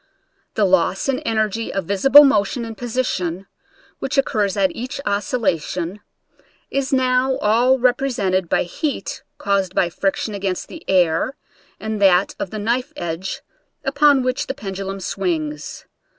The loss in energy of visible motion and position, which occurs at each oscillation, is now all repre sented by heat caused by friction against the air, and that of the knife edge upon which the pendulum swings.